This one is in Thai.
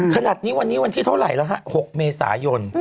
ขนาดนี้วันนี้วันที่เท่าไหร่แล้วฮะ๖เมษายน